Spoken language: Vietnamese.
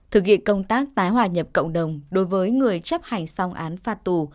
thực hiện công tác tái hòa nhập cộng đồng đối với người chấp hành xong án phạt tù